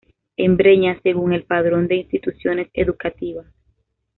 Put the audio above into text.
En Breña, según el Padrón de Instituciones Educativas.